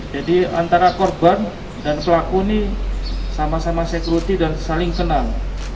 jadi antara korban dan pelaku ini sama sama sekuriti dan saling kenal